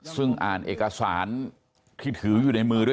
ซึ่งอ่านเอกสารที่ถืออยู่ในมือด้วย